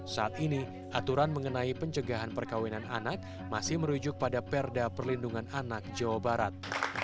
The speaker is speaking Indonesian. saat ini aturan mengenai pencegahan perkawinan anak masih merujuk pada perda perlindungan anak jawa barat